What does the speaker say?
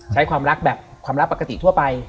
ใช้ความรักแบบความรักปกติทั่วไป